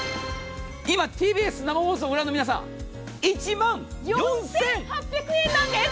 今、ＴＢＳ生放送を御覧の皆さん、１万４８００円なんです。